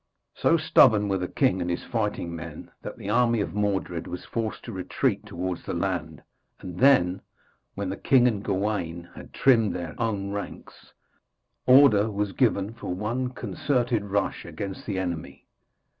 So stubborn were the king and his fighting men that the army of Mordred was forced to retreat towards the land, and then, when the king and Gawaine had trimmed their own ranks, order was given for one concerted rush against the enemy.